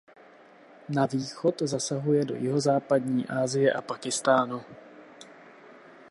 Na východ zasahuje do jihozápadní Asie a Pákistánu.